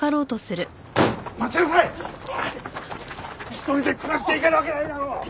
一人で暮らしていけるわけないだろう！